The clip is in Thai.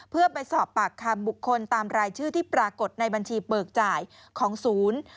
เพื่อไปสอบปากคำบุคคลตามรายชื่อที่ปรากฏในบัญชีเบิกจ่ายของศูนย์